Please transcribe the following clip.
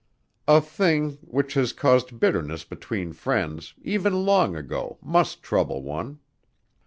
"A thing which has caused bitterness between friends even long ago, must trouble one."